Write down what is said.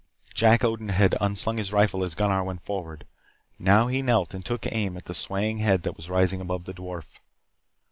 Jack Odin had unslung his rifle as Gunnar, went forward. Now he knelt and took aim at the swaying head that was rising above the dwarf.